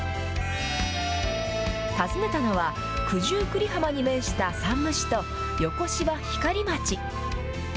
訪ねたのは、九十九里浜に面した山武市と横芝光町。